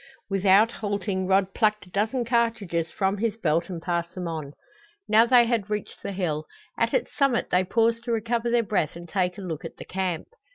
Without halting Rod plucked a dozen cartridges from his belt and passed them on. Now they had reached the hill. At its summit they paused to recover their breath and take a look at the camp.